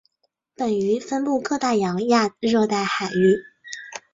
本鱼分布各大洋亚热带海域。